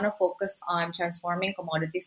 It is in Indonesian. untuk memperbaiki jaringan pengeluaran komoditas